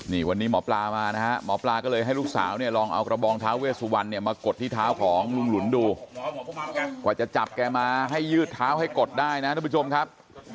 นี่วันนี้หมอปลามานะฮะหมอปลาก็เลยให้ลูกสาวเนี่ยลองเอากระบองท้าเวสวันเนี่ยมากดที่เท้าของลุงหลุนดูกว่าจะจับแกมาให้ยืดเท้าให้กดได้นะทุกผู้ชมครับ